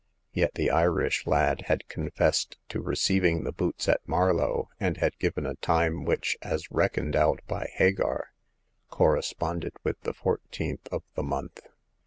Yet the Irish lad had confessed to receiving the boots at Marlow, and had given a time which, as reckoned out by Hagar, corresponded with the fourteenth of the month.